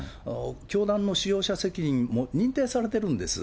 教団の使用者責任に認定されてるんです。